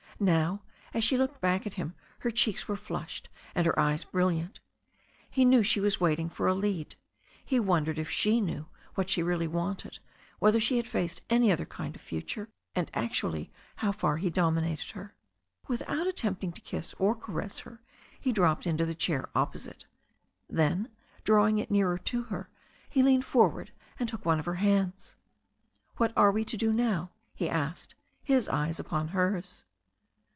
Now, as she looked back at him, her cheeks were flushed and her eyes brilliant. He knew she was waiting for a lead. He won dered if she knew what she really wanted, whether she had faced any other kind of future, and actually how far he dominated her. Without attempting to kiss or caress her, he dropped into die chair opposite. Then, drawing it nearer to her, he leaned forward and took one of her hands. "What are we to do now?" he asked, his eyes upon hers.